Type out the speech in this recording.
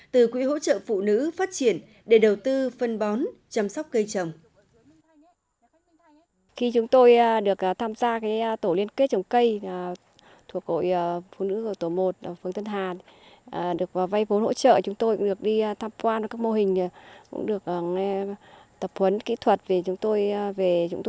từ quỹ hỗ trợ phụ nữ phát triển để đầu tư phân bón chăm sóc cây trồng